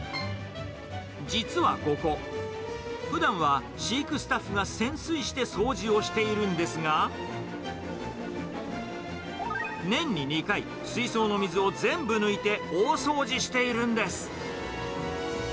実はここ、ふだんは飼育スタッフが潜水して掃除をしているんですが、年に２回、水槽の水を全部抜いて大掃除しているんです。